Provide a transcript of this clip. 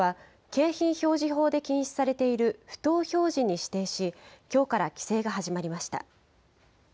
消費者庁は、景品表示法で禁止されている不当表示に指定し、きょうから規制が始まりました。